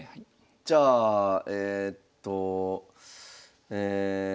じゃあえっとえ。